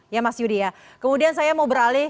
ya mas yudi ya kemudian saya mau beralih